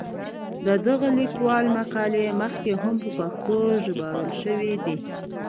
د دغه لیکوال مقالې مخکې هم په پښتو ژباړل شوې دي.